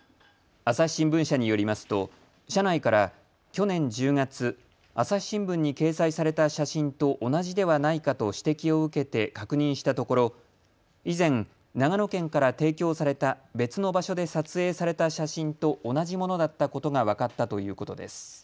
朝日新聞社によりますと社内から去年１０月、朝日新聞に掲載された写真と同じではないかと指摘を受けて確認したところ以前、長野県から提供された別の場所で撮影された写真と同じものだったことが分かったということです。